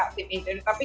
jadi dibentuk oleh negara